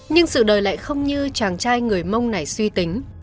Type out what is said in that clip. nhưng sự đời lại không như chàng trai người mông này suy tính